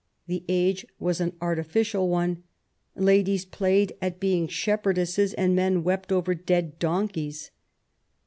The age was an artificial one : ladies played at being shepherdesses^ and men wept over dead donkeys.